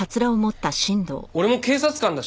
俺も警察官だし